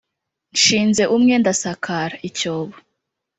Nshinze umwe ndasakara :icyobo